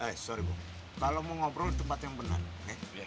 eh sorry kalau mau ngobrol tempat yang benar